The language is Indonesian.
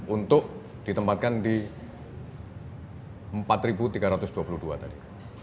untuk ditempatkan di empat tiga ratus dua puluh dua tadi